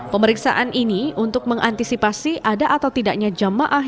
pemeriksaan ini untuk mengantisipasi ada atau tidaknya jemaah